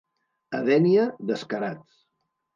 A Dénia, descarats.